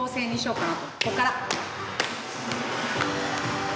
こっから！